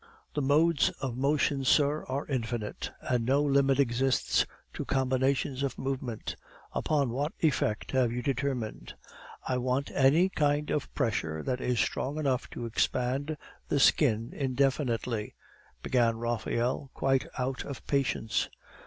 The modes of motion, sir, are infinite, and no limit exists to combinations of movement. Upon what effect have you determined?" "I want any kind of pressure that is strong enough to expand the skin indefinitely," began Raphael, quite of out patience.